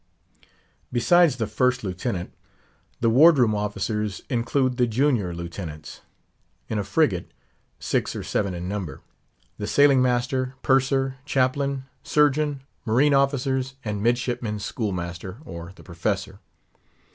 Besides the First Lieutenant, the Ward room officers include the junior lieutenants, in a frigate six or seven in number, the Sailing master, Purser, Chaplain, Surgeon, Marine officers, and Midshipmen's Schoolmaster, or "the Professor."